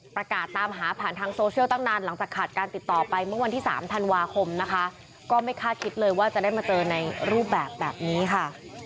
ประกาศตามหาผ่านทางโซเชียลตั้งนานหลังจากขาดการติดต่อไปเมื่อวันที่๓ธันวาคมนะคะก็ไม่คาดคิดเลยว่าจะได้มาเจอในรูปแบบนี้ค่ะ